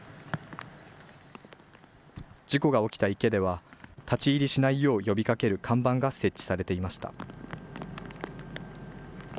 事故が起きた池では立ち入りしないよう呼びかける看板が設置されていました。